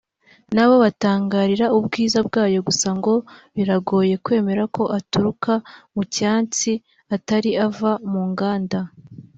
nabo batangarira ubwiza bwayo gusa ngo biragoye kwemera ko aturuka mu cyatsi atari ava mu nganda